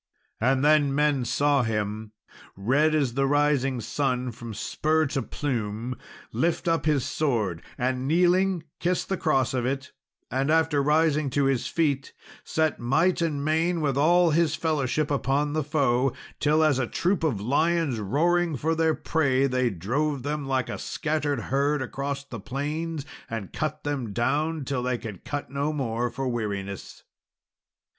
And then men saw him, "red as the rising sun from spur to plume," lift up his sword, and, kneeling, kiss the cross of it; and after, rising to his feet, set might and main with all his fellowship upon the foe, till, as a troop of lions roaring for their prey, they drove them like a scattered herd along the plains, and cut them down till they could cut no more for weariness.